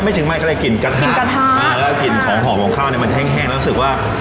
ไม่ถึงไม่ก็เลยกลิ่นกระทะแล้วก็กลิ่นของหอมของข้าวเนี้ยมันแห้งแห้งแล้วรู้สึกว่า